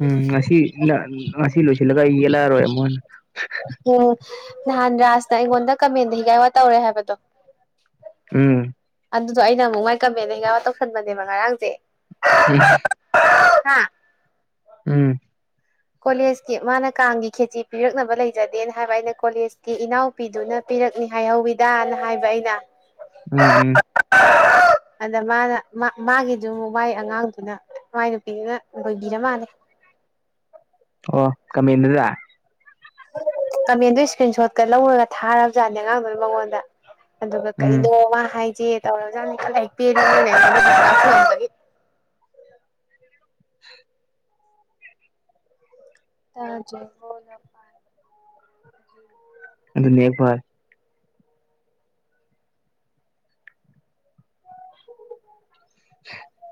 ꯎꯝ ꯉꯁꯤ ꯉꯁꯤ ꯂꯣꯏꯁꯤꯜꯂꯒ ꯑꯩ ꯌꯦꯜꯂꯛꯑꯔꯣꯏ ꯑꯃꯨꯛ ꯍꯟꯅꯥ ꯎꯝ ꯅꯍꯥꯟ ꯔꯥꯖꯅ ꯑꯩꯉꯣꯟꯗ ꯀꯃꯦꯟꯗ ꯍꯤꯒꯥꯏ ꯋꯥ ꯇꯧꯔꯦ ꯍꯥꯏꯕꯗꯣ ꯎꯝ ꯑꯗꯨꯗꯣ ꯑꯩꯅ ꯑꯃꯨꯛ ꯃꯥꯏꯀꯃꯦꯟꯗ ꯍꯤꯒꯥꯏꯋꯥ ꯇꯧꯁꯟꯕꯅꯦꯕ ꯉꯔꯥꯡꯁꯦ ꯎꯝ ꯍꯥ ꯎꯝ ꯀꯣꯂꯦꯖꯀꯤ ꯃꯥꯅ ꯀꯥꯡꯒꯤ ꯈꯦꯆꯤ ꯄꯤꯔꯛꯅꯕ ꯂꯩꯖꯗꯦꯅ ꯍꯥꯏꯕ ꯑꯩꯅ ꯀꯣꯂꯦꯖꯀꯤ ꯏꯅꯥꯎ ꯄꯤꯗꯨꯅ ꯄꯤꯔꯛꯅꯤ ꯍꯥꯏꯍꯧꯋꯤꯗꯥꯅ ꯍꯥꯏꯕ ꯑꯩꯅ ꯎꯝ ꯎꯝ ꯑꯗ ꯃꯥꯅ ꯃꯥꯒꯤꯗꯨ ꯑꯃꯨꯛ ꯃꯥꯏ ꯑꯉꯥꯡꯗꯨꯅ ꯃꯥꯏ ꯅꯨꯄꯤꯗꯨꯅ ꯂꯣꯏꯕꯤꯔ ꯃꯥꯜꯂꯦ ꯑꯣ ꯀꯃꯦꯟꯗꯨꯗ ꯀꯃꯦꯟꯗꯨ ꯏꯁꯀ꯭ꯔꯤꯟ ꯁꯣꯠꯀ ꯂꯧꯔꯒ ꯊꯥꯔꯕꯖꯥꯠꯅꯦ ꯑꯉꯥꯡꯗꯨꯅ ꯃꯉꯣꯟꯗ ꯑꯗꯨꯒ ꯎꯝ ꯀꯩꯅꯣ ꯃꯥ ꯍꯥꯏꯁꯦ ꯇꯧꯔꯖꯥꯅꯦ [unintelligible] [unintelligible] ꯑꯗꯨꯅ‌ꯦ [unintelligible]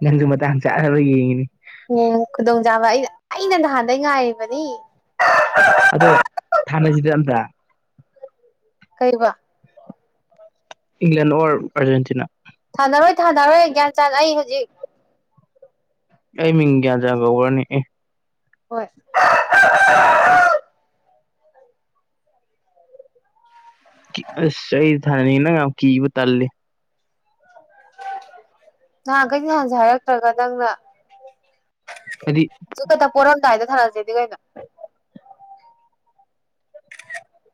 ꯅꯪꯁꯨ ꯃꯇꯥꯡ ꯆꯥꯅꯅꯕ ꯌꯦꯡꯉꯤꯅꯤ ꯑꯣ ꯈꯨꯗꯣꯡꯆꯥꯥꯕ ꯑꯩꯅ ꯑꯩꯅ ꯅꯍꯥꯟꯗꯩ ꯉꯥꯏꯔꯤꯕꯅꯤ ꯑꯗꯣ ꯊꯥꯟꯅꯁꯤꯗ ꯑꯝꯇ ꯀꯩꯌ‌ꯦꯕ ꯏꯪꯪꯂꯦꯟ ꯑꯣꯔ ꯑꯔꯖꯦꯟꯇꯤꯅꯥ ꯊꯥꯅꯔꯣꯏ ꯊꯥꯅꯔꯣꯏ ꯒ꯭ꯌꯥꯟ ꯆꯥꯟ ꯑꯩ ꯍꯧꯖꯤꯛ ꯑꯩ ꯃꯤꯡ ꯒ꯭ꯌꯥꯟ ꯆꯥꯟ ꯀꯧꯕꯔꯅ‌ꯦ ꯑꯦ ꯍꯣꯏ ꯑꯁ ꯑꯩ ꯊꯥꯅꯤꯡ ꯅꯪ ꯌꯥꯝ ꯀꯤꯕ ꯇꯜꯂꯤ ꯅꯍꯥꯟꯈꯩ ꯅꯍꯥꯟꯁꯦ ꯍꯥꯏꯔꯛꯇ꯭ꯔꯒ ꯅꯪꯅ ꯑꯗꯤ ꯑ ꯈꯛꯇ ꯄꯣꯔꯔꯝꯗꯥꯏꯗ ꯊꯥꯅꯥꯁꯤꯗꯤ ꯀꯩꯅꯣ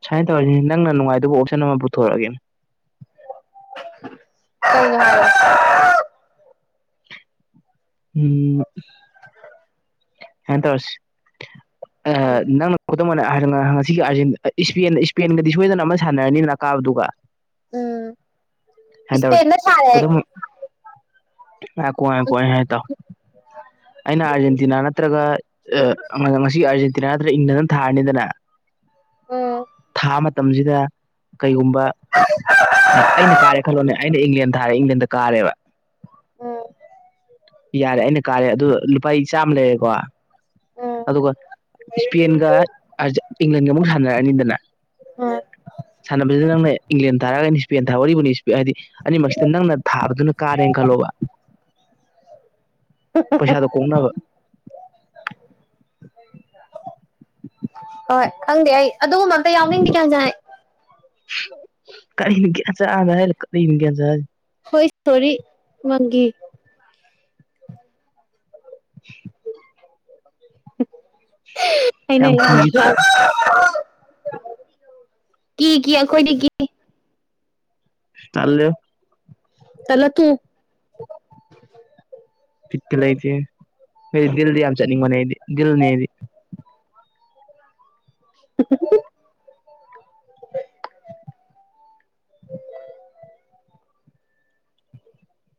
ꯁꯨꯃꯥꯏꯅ ꯇꯧꯔꯁꯤꯅꯦ ꯅꯪꯅ ꯅꯨꯡꯉꯥꯏꯗꯧꯕ ꯑꯣꯞꯁꯥꯟ ꯑꯃ ꯄꯨꯊꯣꯔꯛꯑꯒꯦ ꯀꯅꯦ ꯍꯥꯏ [inaudible] ꯎꯝ ꯁꯧꯃꯥꯢ ꯇꯧꯔꯁꯤ ꯑ ꯅꯪꯅ ꯈꯨꯗꯝ ꯑꯣꯏꯅ ꯍꯥꯏ ꯁꯤꯒꯤ ꯑꯥ ꯏꯁꯄ ꯏꯁꯄꯦꯟꯒꯗꯤ ꯁꯣꯏꯗꯅ ꯑꯃ ꯁꯥꯟꯅꯔꯅꯤꯅ ꯀꯥꯕꯗꯨꯒ ꯇꯧꯔꯁꯤ ꯏꯁꯄꯦꯟ ꯗ ꯊꯥꯔꯦ ꯑꯩ ꯉꯥꯢꯈꯣ ꯉꯥꯢꯈꯣ ꯍꯥꯏ ꯇꯥꯎ ꯑꯩꯅ ꯑꯥꯔꯖꯦꯟꯇꯤꯅꯥ ꯅꯠꯇ꯭ꯔꯒ ꯉꯁꯤ ꯑꯥꯔꯖꯦꯟꯇꯤꯅꯥ ꯅꯠꯇ꯭ꯔꯒ ꯏꯪꯂꯦꯟꯗ ꯊꯥꯔꯅꯤꯗꯅ ꯎꯝ ꯊꯥ ꯃꯇꯝꯁꯤꯗ ꯀꯩꯒꯨꯝꯕ ꯑꯩꯅ ꯀꯥꯔꯦ ꯈꯜꯂꯣꯅꯦ ꯑꯩꯅ ꯏꯪꯂꯦꯟ ꯊꯥꯔꯦ ꯏꯪꯂꯦꯟꯗ ꯀꯥꯔꯦꯕ ꯎꯝ ꯌꯥꯔꯦ ꯑꯩꯅ ꯀꯥꯔꯦ ꯑꯗꯨ ꯂꯨꯄꯥꯥ ꯆꯥꯝꯃ ꯂꯩꯔꯦꯀꯣ ꯎꯝ ꯑꯗꯨꯒ ꯏꯁꯄꯦꯟꯒ ꯏꯪꯂꯦꯟꯒ ꯑꯃꯨꯛ ꯁꯥꯟꯅꯔꯛꯑꯅꯤꯗꯅ ꯑꯝ ꯁꯥꯟꯅꯕꯁꯤꯗ ꯅꯪꯅ ꯏꯪꯂꯦꯟ ꯊꯥꯔꯅꯤ ꯏꯁꯄꯦꯟ ꯊꯥꯔꯤꯕꯅꯤ ꯍꯥꯏꯗꯤ ꯑꯅꯤꯃꯛꯁꯤꯗ ꯅꯪꯅ ꯊꯥꯕꯗꯨꯅ ꯀꯥꯔꯦꯅ ꯈꯜꯂꯣꯕ ꯄꯩꯁꯥꯗꯣ ꯀꯣꯛꯅꯕ [inaudible] [unintelligible] ꯍꯣꯏ ꯈꯪꯗꯦ ꯑꯩ ꯑꯗꯨꯒꯨꯝꯕ ꯑꯝꯇ ꯌꯥꯎꯅꯤꯡꯗꯦ ꯀꯌꯥꯁꯥꯏ ꯑꯩ ꯀꯔꯤꯒ ꯆꯥꯗ ꯍ [inaudible] ꯀꯔꯤꯒ ꯆꯥ ꯍꯣꯏ ꯁꯣꯔꯤ ꯋꯥꯪꯒꯤ [inaudible] [unintelligible] ꯑꯩꯅ ꯌꯥꯝ ꯀꯤ [inaudible] ꯀꯤ ꯀꯤ ꯑꯩꯈꯣꯏꯗꯤ ꯀꯤ ꯇꯥꯜꯂꯦ ꯇꯜꯂ ꯇꯣꯛꯎꯨ ꯕꯤꯠꯒ ꯂꯩꯇꯦ ꯗꯤꯟꯗꯤ ꯌꯥꯝ ꯆꯠꯅꯤꯡꯕꯅꯦ ꯑꯩꯗꯤ ꯗꯤꯟꯗꯤ [inaudible]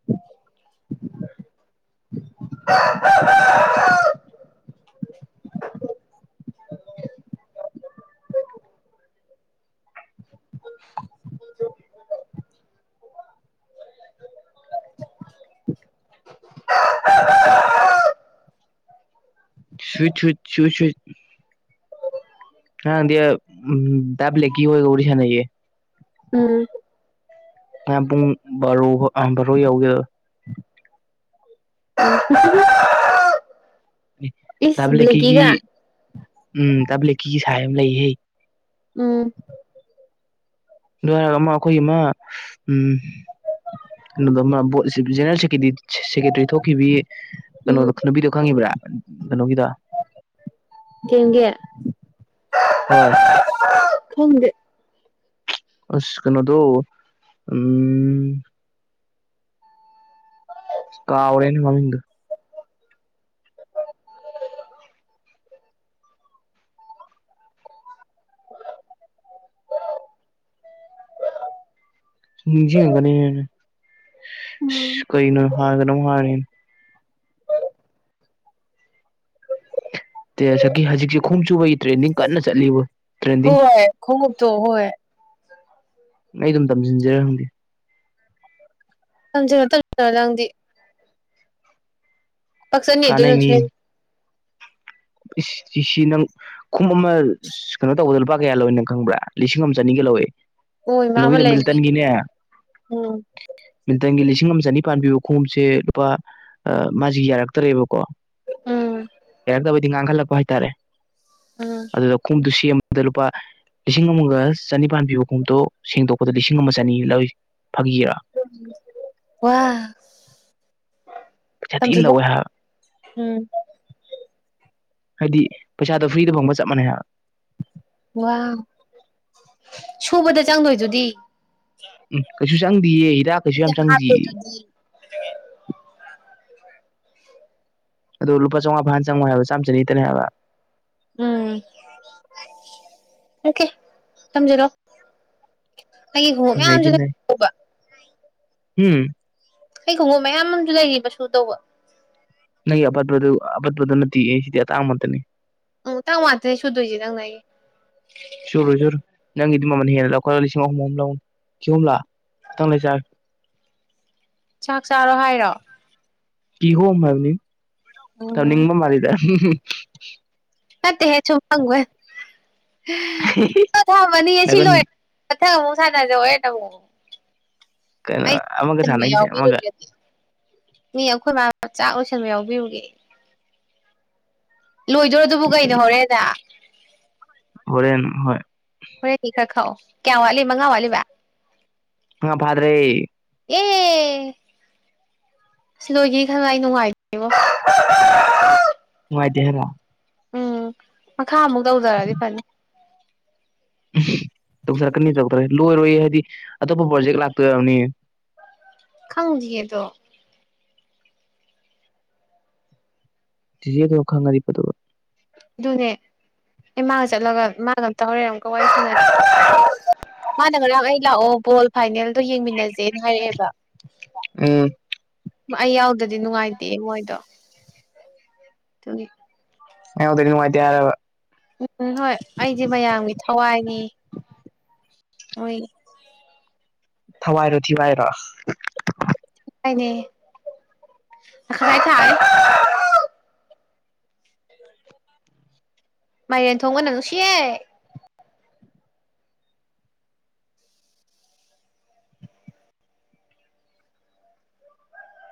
[inaudible] [unintelligible] [unintelligible] [inaudible] ꯁꯨꯏ ꯁꯨꯏ ꯁꯨꯏ ꯁꯨ [inaudible] ꯉꯔꯥꯡꯗꯤ ꯗꯥ ꯕ꯭ꯂꯦꯀꯤ ꯑꯣꯏꯒ ꯋꯥꯔꯤ ꯁꯥꯟꯅꯩꯌꯦ ꯎꯝ ꯀꯌꯥꯝ ꯄꯨꯡ ꯕꯥꯔꯣ ꯕꯥꯔꯣ ꯌꯎꯒꯦꯔ [inaudible] ꯑꯦ ꯗꯥ ꯏꯁ ꯕꯂꯤꯛꯀꯤꯒꯤ ꯕ꯭ꯂꯦꯀꯤꯒ ꯎꯝ ꯗꯥ ꯕꯂꯤꯛꯀꯤꯒꯤ ꯁꯥꯏ ꯑꯃ ꯂꯩꯍꯦ ꯎꯝ ꯑꯗꯨ ꯍꯥꯢꯔꯒ ꯑꯃ ꯑꯩꯈꯣꯏꯒꯤ ꯑꯃ ꯎꯝ ꯑꯗꯨꯒ ꯑꯃ ꯕꯣꯠ ꯖꯦꯅꯦꯔꯦꯟ ꯁꯦꯀꯦꯇꯔꯤ ꯊꯣꯛꯈꯤꯕꯤ ꯎꯝ ꯀꯩꯅꯣꯗꯣ ꯅꯨꯕꯤꯗꯣ ꯈꯪꯉꯤꯕ꯭ꯔꯥ ꯀꯩꯅꯣꯒꯤꯗ ꯀꯦꯡꯒꯦ [inaudible] ꯍꯣꯏ ꯈꯪꯗꯦ ꯑꯁ ꯀꯩꯅꯣꯗꯣ ꯎꯝ ꯀꯥꯎꯑꯔꯦꯅꯦ ꯃꯃꯤꯡꯗꯣ ꯁꯨꯝ ꯅꯤꯡꯁꯤꯡꯉꯛꯅꯤ ꯀꯩꯅꯣ ꯍꯥꯥꯅ ꯀꯩꯅꯣꯝ ꯍꯥꯏ [unintelligible] ꯇ ꯁꯛꯀꯤ ꯍꯧꯖꯤꯛꯁꯦ ꯈꯨꯉꯨꯞ ꯁꯨꯕꯒꯤ ꯇ꯭ꯔꯦꯟꯅꯤꯡ ꯀꯟꯅ ꯆꯠꯂꯤꯕ ꯍꯣꯏ ꯈꯣꯡꯣꯛ ꯇꯣ ꯍꯣꯏ ꯑꯩ ꯑꯗꯨꯝ ꯇꯝꯁꯤꯟꯖꯤꯔ ꯈꯪꯗꯦ ꯇꯝꯖꯥꯂꯣ [unintelligible] ꯅꯪꯗꯤ ꯄꯥꯛꯁꯟꯅꯤ ꯑꯗꯨꯅꯁꯨ ꯀꯥꯟꯅꯩꯅꯤ ꯍꯦꯜ ꯏꯁ ꯇꯤꯁꯤ ꯅꯪ ꯈꯨꯝ ꯑꯃ ꯀꯩꯅꯣ ꯇꯧꯕꯗ ꯂꯨꯄꯥ ꯀꯌꯥ ꯂꯣꯏꯅ ꯈꯪꯕ꯭ꯔꯥ ꯂꯤꯁꯤꯡ ꯑꯃ ꯆꯅꯤꯒ ꯂꯧꯋꯦ ꯑꯣ ꯏꯃꯥ ꯑꯃ ꯀꯩꯅꯣꯒꯤꯗ ꯂꯩꯔꯅꯤ ꯃꯤꯜꯇꯟꯒꯤꯅꯦ ꯎꯝ ꯃꯤꯇꯜꯒꯤ ꯂꯤꯁꯤꯡ ꯑꯃ ꯆꯅꯤꯄꯥꯟ ꯄꯤꯕ ꯈꯣꯡꯎꯞꯁꯦ ꯂꯨꯄꯥ ꯃꯥꯁꯤ ꯌꯥꯔꯛꯇ꯭ꯔꯦꯕꯀꯣ ꯎꯝ ꯌꯥꯔꯛꯇꯕꯗꯤ ꯉꯥꯡꯈꯠꯂꯛꯄ ꯍꯥꯏꯇꯥꯔꯦ [unintelligible] ꯈꯨꯉꯨꯞꯇꯨ ꯁꯦꯝꯕꯗ ꯂꯨꯄꯥ ꯂꯤꯁꯤꯡ ꯑꯃꯒ ꯆꯅꯤꯄꯥꯟ ꯄꯤꯕꯒꯨꯝꯗꯣ ꯁꯦꯡꯗꯣꯛꯄꯗ ꯂꯤꯁꯤꯡ ꯑꯃ ꯆꯅꯤ ꯂꯣꯏ ꯐꯥꯒꯤꯔꯥ ꯋꯥ ꯄꯩꯁꯥ ꯊꯤ ꯇꯝꯁꯤꯜꯂꯣ ꯂꯧꯋꯦ ꯍꯥꯏ ꯎꯝ ꯍꯥꯏꯗꯤ ꯄꯩꯁꯥꯗꯣ ꯐ꯭ꯔꯤꯗ ꯐꯪꯕ ꯆꯞ ꯃꯥꯟꯩ ꯍꯥꯏꯕ ꯋꯥ ꯁꯨꯕꯗ ꯆꯪꯗꯣꯏꯗꯨꯗꯤ ꯎꯝ ꯀꯩꯁꯨ ꯆꯪꯗꯦꯌꯦ ꯏꯤꯗꯥꯛ ꯍꯥꯐ ꯀꯦꯖꯗꯤ ꯑꯗꯣ ꯂꯄꯥ ꯆꯝꯉꯥ ꯐꯥ ꯆꯪꯉꯣꯏ ꯍꯥꯏꯕ ꯆꯝ ꯆꯅꯤꯇꯅꯦ ꯍꯥꯏꯕ ꯎꯝ ꯑꯣꯀꯦ ꯊꯝꯖꯔꯣ ꯅꯩꯗꯤ ꯅꯩ ꯂꯩꯕ ꯎꯝ ꯑꯩꯩ ꯈꯣꯡꯉꯨꯞ ꯃꯌꯥꯝ ꯑꯃꯁꯨ ꯂꯩꯔꯤꯕ ꯁꯨ ꯇꯧꯕ ꯅꯪ ꯑꯄꯠꯄꯗꯨ ꯅꯠꯇꯤꯌꯦ ꯁꯤꯗꯤ ꯁꯤꯗꯤ ꯑ ꯇꯥꯡꯃꯠꯇꯅꯦ ꯎꯝ ꯇꯥꯡ ꯋꯥꯊꯩ ꯁꯨꯗꯣꯏꯁꯦ ꯅꯪꯅ ꯑꯩꯒꯤ ꯆꯨꯔꯣꯏ ꯆꯨꯔꯣꯏ ꯅꯪꯒꯤꯗꯤ ꯃꯃꯜ ꯍꯦꯟꯅ ꯂꯧꯈꯠꯂꯒ ꯂꯤꯁꯤꯡ ꯑꯍꯨꯝ ꯑꯍꯨꯝ ꯂꯧꯅꯤ ꯂꯤꯁꯤꯡ ꯑꯍꯨꯝꯂꯣ ꯃꯊꯪ ꯂꯩ ꯆꯔ ꯆꯥꯛ ꯆꯥꯔꯣ ꯍꯥꯏꯔꯣ ꯀꯤꯍꯣꯝ ꯍꯥꯏꯕꯅꯤ ꯎꯝ ꯇꯧꯅꯤꯡꯕ ꯃꯥꯜꯂꯤꯗ ꯅꯠꯇꯦꯍꯦ ꯁꯨꯝ ꯍꯪꯕ ꯊꯃꯅꯤ ꯁꯤ ꯅꯒꯟ ꯂꯣꯏꯔꯦ ꯃꯊꯪ ꯑꯃꯨꯛ ꯁꯥꯟꯅꯔꯁꯦ ꯍꯣꯔꯦꯜ ꯑꯃꯨꯛ ꯀꯩꯅꯣ ꯑꯃꯒ ꯑꯩꯟꯕ ꯁꯥꯟꯅꯈꯤꯁꯦ ꯑꯃꯒ ꯌꯥꯎꯕꯤꯔꯨꯗ꯭ꯔꯦꯗꯤ ꯃꯤ ꯑꯩꯈꯣꯏ ꯃꯥ ꯆꯥꯛ ꯂꯣꯏꯁꯤꯟꯕ ꯌꯥꯎꯕꯤꯔꯨꯒꯦ ꯂꯣꯏꯗꯣꯏꯔꯗꯨꯕꯨ ꯀꯩꯅꯣ ꯍꯣꯔꯦꯜꯗꯥꯡ ꯍꯣꯔꯦꯅ ꯍꯣꯏ ꯍꯣꯔꯦꯟꯒꯤ ꯈꯔ ꯈꯛꯑꯣ ꯀꯌꯥ ꯋꯥꯠꯂꯤ ꯃꯉꯥ ꯋꯥꯠꯂꯤꯕ ꯉꯥ ꯐꯥꯗ꯭ꯔꯦ ꯑꯦ ꯁꯤ ꯂꯣꯏꯒꯤ ꯈꯪꯉ ꯑꯩ ꯅꯨꯡꯉꯥꯏꯇꯦꯕꯣ ꯅꯨꯡꯉꯥꯏꯇꯦ ꯍꯥꯏꯔꯣ ꯎꯝ ꯃꯈꯥ ꯑꯃꯨꯛ ꯇꯧꯖꯔꯗꯤ ꯐꯅꯤ ꯇꯧꯖꯔꯛꯀꯅꯤ ꯇꯧꯗ꯭ꯔꯦ ꯂꯣꯏꯔꯣꯏ ꯍꯥꯏꯗꯤ ꯑꯇꯣꯞꯄ ꯄ꯭ꯔꯣꯖꯦꯛ ꯂꯥꯛꯇꯣꯏ ꯑꯣꯏꯔꯝꯅꯤꯌꯦ ꯈꯪꯗꯤꯌꯦꯗꯣ [unintelligible] ꯐꯗꯧꯕ ꯑꯗꯨꯅꯦ ꯏꯃꯥꯒ ꯆꯠꯂꯒ ꯏꯃꯥꯒ ꯑꯝꯇ ꯑꯃꯨꯀ ꯋꯥꯔꯤ ꯁꯅ [unintelligible] ꯃꯅ ꯉꯔꯥꯡ ꯑꯩ ꯂꯥꯛ ꯑꯣ ꯄꯣꯜ ꯐꯥꯏꯅꯦꯜꯗꯣ ꯌꯦꯡꯃꯤꯟꯅꯁꯦꯅ ꯍꯥꯏꯔꯛꯑꯦꯕ ꯎꯝ ꯑꯩ ꯌꯥꯎꯗ꯭ꯔꯗꯤ ꯅꯨꯡꯉꯥꯏꯇꯦ ꯃꯣꯏꯗꯣ ꯑꯗꯨꯒꯤ ꯃꯥ ꯌꯥꯎꯗ꯭ꯔꯗꯤ ꯅꯨꯉꯥꯏꯇꯦ ꯍꯥꯏꯔꯕ ꯎꯝ ꯍꯣꯏ ꯑꯩꯗꯤ ꯃꯌꯥꯝꯒꯤ ꯊꯋꯥꯏꯅꯤ ꯍꯣꯏ ꯊꯋꯥꯏꯔꯣ ꯊꯤꯋꯥꯏꯔꯣ ꯅꯦ ꯃꯈꯈꯦ ꯊꯥꯏ ꯃꯥꯏꯔꯦꯟ ꯊꯣꯡꯒꯅꯪ ꯅꯨꯡꯁꯤꯌꯦ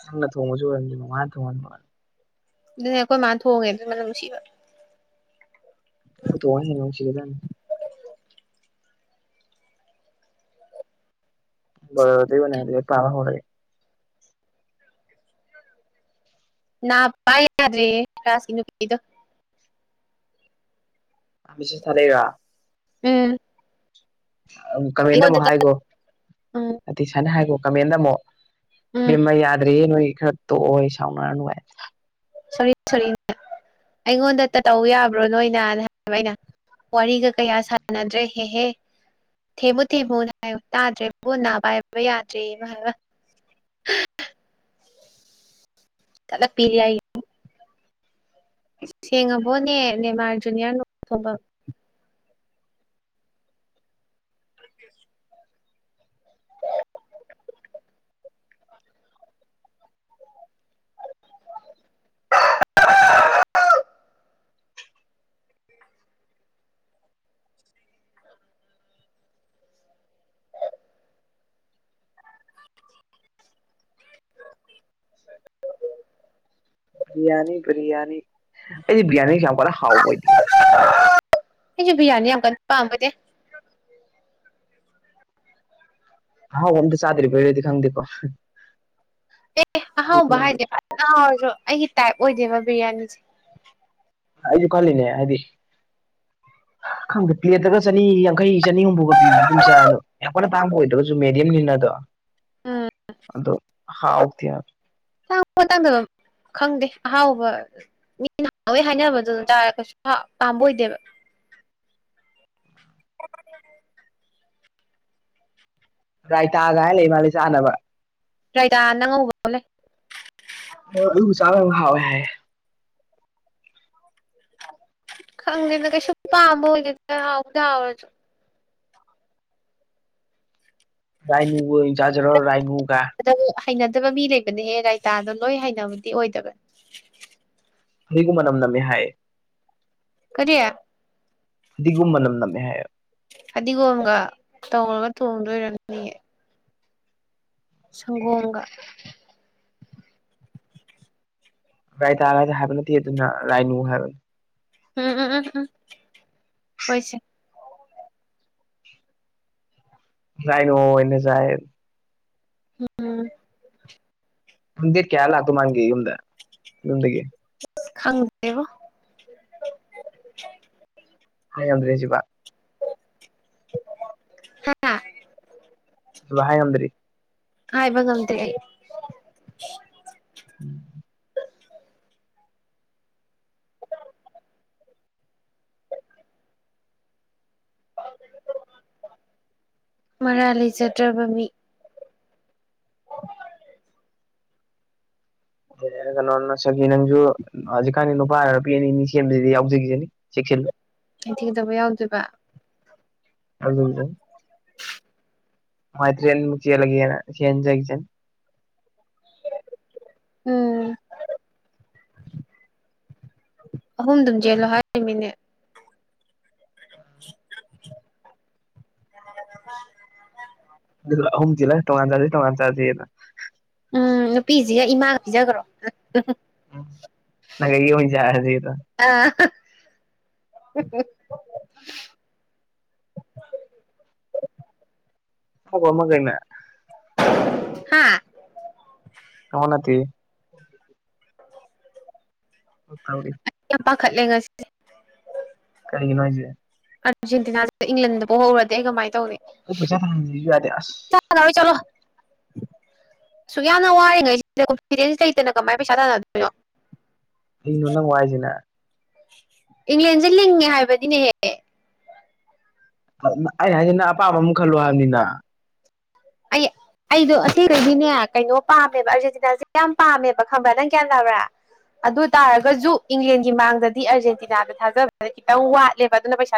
ꯅꯪ ꯅ ꯊꯧ ꯃꯨꯁꯨ ꯔꯟꯖ ꯃꯥꯔ ꯊꯧꯅ ꯃꯥ ꯑꯗꯨꯅꯦ ꯑꯩꯈꯣꯏ ꯃꯥꯅ ꯊꯣꯛꯣꯡꯉꯒꯦ ꯑꯗꯨꯅ ꯅꯨꯡꯁꯤꯕ ꯋꯥꯅꯉ ꯁꯤꯗꯅꯤ ꯗꯤꯕꯅꯦ ꯄꯔ ꯍꯦ ꯅꯅꯥ ꯄ ꯌꯥꯔꯔꯤ ꯀꯥꯁꯣ ꯃꯤꯁꯦꯁ ꯊꯔꯦꯒ ꯎꯝ ꯀꯃꯦꯟꯗ ꯃꯣ ꯑꯩꯉꯣꯟꯗ ꯍꯥꯏꯒꯣ ꯎꯝ ꯑ ꯏꯁꯥꯅ ꯍꯥꯏꯕ ꯀꯃꯦꯟꯗ ꯑꯃꯨꯛ ꯎꯝ ꯕꯦꯝꯃ ꯌꯥꯗ꯭ꯔꯔꯤꯌꯦ ꯅꯣꯏ ꯈꯔ ꯇꯣ ꯁꯥꯎꯅꯔꯅꯅꯨꯡꯥꯏ ꯁꯣꯔꯤ ꯁꯣꯔꯤ ꯑꯩꯉꯣꯟꯗ ꯇꯧ ꯌꯥꯕ꯭ꯔꯣ ꯅꯣꯏꯅꯅ ꯍꯥꯏꯌꯦꯕ ꯑꯩꯅ ꯋꯥꯔꯤꯒ ꯀꯌꯥ ꯁꯥꯟꯅꯗ꯭ꯔꯦ ꯍꯦꯍꯦ ꯊꯦꯝꯃꯨ ꯊꯦꯝꯃꯨ ꯍꯥꯏ ꯇꯥꯗ꯭ꯔꯦꯕꯣꯟ ꯅꯥ ꯄ ꯍꯥꯏꯕ ꯌꯥꯗ꯭ꯔꯦ ꯍꯥꯏꯕ ꯆꯂ ꯐꯤꯔꯤꯌꯥ ꯁꯦꯡꯉꯕꯣꯅꯦ ꯅꯦꯃꯥꯔ ꯖꯨꯅꯤꯌꯔ ꯅꯣꯡ ꯊꯣꯡꯕ ꯦ [unintelligible] [inaudible] ꯕꯤꯔꯌꯥꯅꯤ ꯕꯤꯔꯌꯥꯅꯤ ꯑꯩꯗꯤ ꯕꯤꯔꯌꯥꯅꯤ ꯌꯥꯝ ꯀꯟꯅ ꯍꯥꯎꯕ ꯑꯣꯏꯗꯤꯌꯦ ꯑꯩꯁꯨ ꯕꯤꯌꯥꯅꯤ ꯌꯥꯝ ꯀꯟꯅ ꯄꯥꯝꯕꯗꯤ ꯍꯥꯎ ꯍꯝꯗꯤ ꯆꯥꯗ꯭ꯔꯤꯕ ꯐꯔꯗꯤ ꯈꯪꯗꯦꯀꯣ ꯑꯦ ꯑꯩ ꯑꯍꯥꯎꯕ ꯈꯪꯗꯦ ꯍꯥꯏꯗꯤꯦ ꯐꯖꯥꯎ ꯑꯣꯏꯔꯁꯨ ꯑꯩꯒꯤ ꯇꯥꯏꯞ ꯑꯣꯏꯗꯦꯕ ꯕꯤꯔꯌꯥꯅꯤꯁꯦ ꯑꯩꯗꯤ ꯀꯂꯅꯦ ꯍꯥꯏꯗꯤ ꯄꯒ ꯆꯅꯤ ꯌꯥꯡꯈꯩ ꯆꯅꯤ ꯍꯨꯝꯐꯨꯒ ꯄꯤꯕꯗ ꯑꯗꯨꯝ ꯆꯥ ꯑꯗꯣ ꯌꯥꯝ ꯀꯣꯏꯅ ꯇꯥꯡꯕ ꯑꯣꯏꯗ꯭ꯔꯒꯁꯨ ꯃꯦꯗꯤꯌꯝꯅꯤꯅꯗꯣ ꯎꯝ ꯑꯗꯣ ꯍꯥ ꯍ ꯊ ꯌꯥꯔ ꯇꯥꯡ ꯄꯣ ꯇꯥꯡꯗꯅꯕ ꯈꯪꯗꯦ ꯑꯍꯥꯎꯕ ꯃꯤꯅ ꯅꯍꯥꯟꯉꯩ ꯍꯥꯏꯅꯕꯗꯨꯅ ꯇꯥꯔꯒꯁꯨ ꯄꯥꯝꯕ ꯑꯣꯏꯗꯦꯕ [unintelligible] ꯔꯥꯏꯇꯥ ꯑꯒ ꯍꯥꯏ ꯂꯩ ꯃꯥꯂꯦ ꯆꯥꯅꯕ ꯗ꯭ꯔꯥꯏꯗꯥ ꯅꯪ ꯉꯧꯕ ꯑꯃ ꯂꯩ ꯑꯣ ꯑꯗꯨꯕꯨ ꯆꯥꯎꯔꯗꯤ ꯍꯥꯎꯋꯦ ꯍꯥꯏ ꯈꯪꯗꯦꯗ ꯀꯩꯁꯨ ꯄꯥꯝꯕꯗꯤ ꯑꯣꯏꯗꯦꯗ ꯍꯥꯎꯕꯨꯗꯤ ꯍꯥꯎꯔꯖꯨ ꯔꯥꯏꯅꯨꯒ ꯑꯣꯏꯅ ꯌꯥꯥꯖꯤꯔ ꯔꯥꯏꯅꯨꯒ ꯍꯩꯅꯗꯕ ꯃꯤ ꯂꯩꯕꯅꯦꯍꯦ ꯔꯥꯏꯇꯥꯗꯣ ꯂꯣꯏ ꯍꯩꯅꯕꯗꯤ ꯑꯣꯏꯗꯕꯅꯦ ꯁꯤꯒꯨꯝ ꯃꯅꯝ ꯅꯝꯃꯦ ꯍꯥꯏꯌꯦ ꯀꯔꯤ ꯑꯗꯨꯒꯗꯤꯒꯨꯝꯕ ꯅꯝ ꯅꯝꯃꯦ ꯍꯥꯌꯦꯕ ꯐꯗꯤꯒꯣꯝꯒ ꯇꯧꯔꯒ ꯇꯣꯡꯗꯣꯏ ꯑꯣꯏꯔꯝꯅꯤ ꯁꯪꯒꯣꯝꯒ ꯇꯥꯏꯇ ꯍꯥꯏꯕ ꯅꯠꯇꯤ ꯑꯗꯨꯅ ꯔꯥꯏꯅꯣ ꯍꯥꯏꯕꯅꯦ ꯎꯝ ꯎꯝ ꯎꯝ ꯍꯣꯏꯁꯦ ꯌꯥꯥꯏꯅ ꯑꯣꯏꯅ ꯖꯥꯏꯌꯦꯕ ꯑꯗꯨ ꯗꯦꯠ ꯀꯌꯥꯗ ꯂꯥꯛꯇꯧ ꯃꯥꯟꯒꯦ ꯌꯨꯝꯗ ꯌꯨꯝꯗꯒꯤ ꯈꯪꯗꯦꯕꯣ ꯍꯥꯏ ꯉꯝꯗ꯭ꯔꯦ ꯁꯤꯕ ꯍꯥꯏꯉꯝꯗ꯭ꯔꯤ ꯍꯥꯏꯕ ꯉꯥꯡꯗꯦ ꯑꯩ ꯎꯝ ꯃꯔꯥ ꯂꯩꯖꯗ꯭ꯔꯕ ꯃꯤ ꯌꯥ ꯅꯣꯅ ꯆꯒꯤ ꯅꯪꯁꯨ ꯑꯖꯤ ꯀꯥꯟꯅ ꯐꯔꯔꯕ ꯄ ꯑꯅꯤꯅꯤ ꯁꯦꯝꯕꯁꯤꯗꯤ ꯌꯥꯎꯖꯒꯤꯖꯅꯤ ꯆꯦꯛꯁꯤꯜꯂꯨ ꯑꯩ ꯊꯤꯗꯕ ꯌꯥꯎꯗꯣꯏꯕ ꯑꯗꯨꯗ ꯃꯥꯏꯇ꯭ꯔꯤ ꯌꯦꯌꯥ ꯂ ꯂꯩꯒ ꯌꯦꯟꯖꯒꯤꯖꯅꯤ ꯎꯝ ꯑꯍꯨꯝ ꯑꯗꯨꯝ ꯆꯦꯜꯂꯣ ꯍꯥꯏ ꯃꯤꯅꯦ [unintelligible] ꯗꯨꯒ ꯑꯍꯨꯝ ꯆꯦꯜꯂ ꯇꯣꯉꯥꯟ ꯆꯥꯖꯦ ꯇꯉꯥꯟ ꯆꯥꯖꯦꯅ ꯎꯝ ꯅꯨꯄꯤꯁꯤꯒ ꯏꯃꯥ ꯄꯤꯖꯒꯔꯣ ꯎꯝ ꯑꯩ ꯌꯨꯝ ꯁꯥꯔꯖꯦꯕ ꯑ ꯊꯕ ꯑꯃꯒꯩꯅ ꯍꯥꯥ ꯀꯅꯝ ꯅꯠꯇꯦꯍꯦ ꯇꯧꯔꯤ ꯑꯩ ꯌꯥꯝ ꯄꯥꯈꯠꯂꯦ ꯉꯁꯤꯁꯦ ꯀꯔꯤꯒꯤꯅꯣ ꯍꯥꯏꯖꯦ ꯑꯥꯔꯦꯟꯇꯤꯅꯥꯁ‌ꯦ ꯏꯪꯂꯦꯟꯗ ꯄꯣ ꯍꯧꯔꯗꯤ ꯑꯩ ꯀꯃꯥꯏ ꯇꯧꯅꯤ ꯑꯗꯨ ꯄꯩꯁꯥ ꯍꯪꯕꯤꯌꯨꯖꯨ ꯌꯥꯗꯦ ꯑꯁ ꯆꯂꯣ ꯁꯨꯛ ꯌꯥꯝꯅ ꯋꯥꯔꯤꯔꯤꯉꯩꯁꯤꯗ ꯀꯣꯟꯐꯤꯗꯦꯟꯁ ꯂꯩꯇꯅ ꯀꯃꯥꯏꯅ ꯄꯩꯁꯥ ꯇꯥꯟꯅꯗꯣꯏꯅꯣ ꯍꯤꯡꯅꯣ ꯅꯪ ꯋꯥꯏꯖꯤꯅ ꯏꯪꯂꯦꯟꯁꯦ ꯂꯤꯡꯉꯦ ꯍꯥꯏꯕꯅꯤꯅꯦꯍꯦ ꯑꯩ ꯍꯥꯏꯖꯤꯅ ꯅꯪ ꯑꯄꯥꯝꯕ ꯑꯃ ꯈꯜꯂꯣ ꯍꯥꯏꯕꯅꯤꯅ ꯑꯩ ꯑꯩꯗꯣ ꯑꯁꯦꯡꯕꯒꯤꯅꯦ ꯀꯩꯅꯣ ꯄꯥꯝꯃꯦꯕ ꯑꯥꯔꯖꯦꯟꯇꯤꯅꯥꯁꯦ ꯌꯥꯝ ꯄꯥꯝꯃꯦꯕ ꯈꯪꯕ꯭ꯔꯥ ꯅꯪ ꯒꯌꯥꯟ ꯇꯥꯕ꯭ꯔꯥ ꯑꯗꯨ ꯇꯥꯔꯒꯁꯨ ꯏꯪꯂꯦꯟꯒꯤ ꯃꯥꯡꯗꯗꯤ ꯑꯔꯖꯦꯟꯇꯤꯅꯥꯗ ꯊꯥꯖꯕꯗ ꯈꯤꯇꯪ ꯋꯥꯠꯂꯦꯕ ꯑꯗꯨꯅ ꯄꯩꯁꯥ